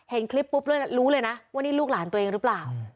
เห็นคลิปปุ๊บแล้วรู้เลยนะว่านี่ลูกหลานตัวเองหรือเปล่า